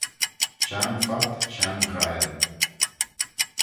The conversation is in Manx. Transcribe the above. Shenn phot, shenn ghryle,